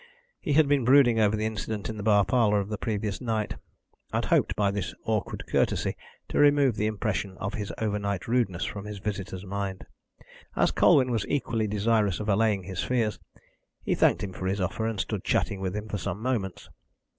He had been brooding over the incident in the bar parlour of the previous night, and hoped by this awkward courtesy to remove the impression of his overnight rudeness from his visitor's mind. As Colwyn was equally desirous of allaying his fears, he thanked him for his offer, and stood chatting with him for some moments.